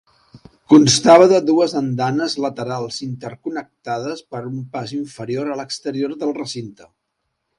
Constava de dues andanes laterals interconnectades per un pas inferior a l'exterior del recinte.